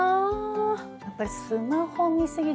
やっぱりスマホ見過ぎで。